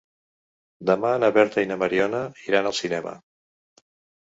Demà na Berta i na Mariona iran al cinema.